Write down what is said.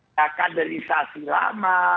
ya kaderisasi lama